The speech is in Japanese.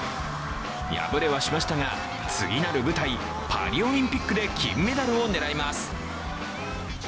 破れはしましたが次なる舞台パリオリンピックで金メダルを狙います。